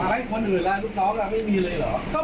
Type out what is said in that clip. อย่าเครื่องเสียงกับผม